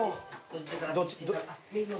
どっち？